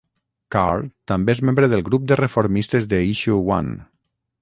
Carr també és membre del Grup de reformistes de Issue One.